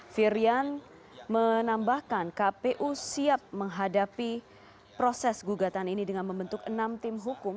firian menambahkan kpu siap menghadapi proses gugatan ini dengan membentuk enam tim hukum